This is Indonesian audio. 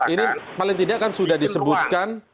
ini paling tidak kan sudah disebutkan